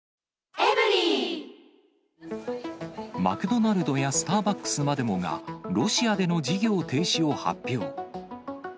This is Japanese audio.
マクドナルドやスターバックスまでもが、ロシアでの事業停止を発表。